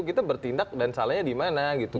kita bertindak dan salahnya dimana gitu